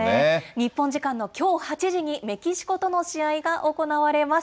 日本時間のきょう８時にメキシコとの試合が行われます。